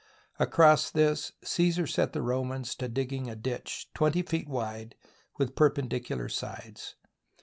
Across this Cassar set the Romans to digging a ditch, twenty feet wide, with perpendicular sides.